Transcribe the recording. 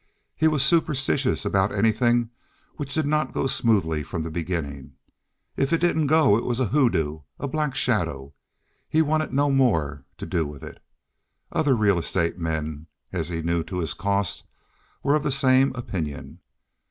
He was superstitious about anything which did not go smoothly from the beginning. If it didn't go it was a hoodoo—a black shadow—and he wanted no more to do with it. Other real estate men, as he knew to his cost, were of the same opinion.